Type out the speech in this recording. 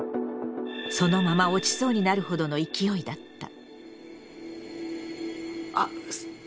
そのまま落ちそうになるほどの勢いだった。